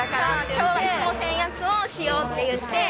きょうはいつもせんやつをしようって言って。